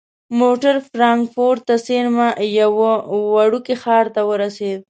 موټر فرانکفورت ته څیرمه یوه وړوکي ښار ته ورسید.